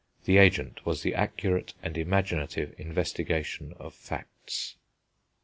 The agent was the accurate and imaginative investigation of facts.